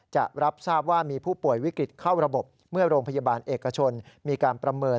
จะรับทราบว่ามีผู้ป่วยวิกฤตเข้าระบบเมื่อโรงพยาบาลเอกชนมีการประเมิน